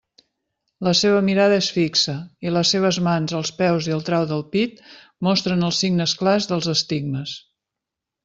La seva mirada és fi xa, i les seves mans, els peus i el trau del pit mostren els signes clars dels estigmes.